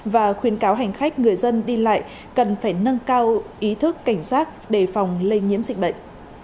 và khuyến cáo hành khách người dân đi lại cần phải nâng cao ý thức cảnh giác đề phòng lây nhiễm dịch bệnh